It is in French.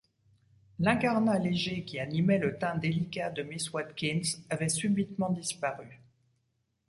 L’incarnat léger qui animait le teint délicat de miss Watkins avait subitement disparu.